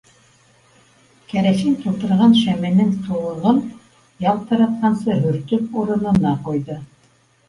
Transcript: Кәрәсин тултырған шәменең ҡыуығын ялтыратҡансы һөртөп, урынына ҡуйҙы.